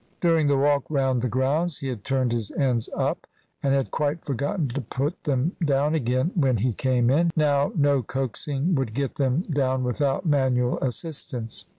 During the walk round the grounds he had turned his ends up, and had quite forgotten to put them down again when he came in. Now, no coaxing would get them down without manual assistance.